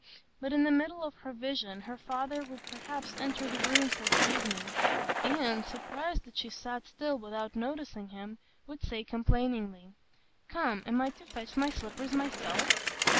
But, in the middle of her vision, her father would perhaps enter the room for the evening, and, surprised that she sat still without noticing him, would say complainingly, "Come, am I to fetch my slippers myself?"